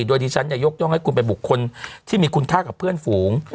โดยดิฉันยกย่องให้คุณเป็นบุคคลที่มีคุณค่ากับเพื่อนฝูง